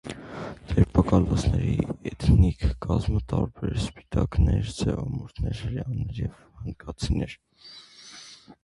Ձերբակալվածների էթնիկ կազմը տարբեր էր, սպիտակներ, սևամորթեր, հրեաներ և հնդկացիներ։